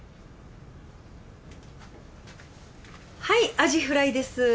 はいアジフライです。